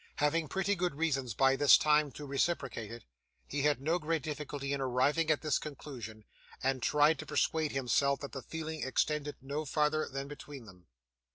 Having pretty good reason, by this time, to reciprocate it, he had no great difficulty in arriving at this conclusion, and tried to persuade himself that the feeling extended no farther than between them.